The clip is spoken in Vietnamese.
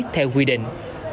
theo quy định